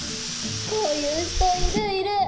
こういう人いるいる。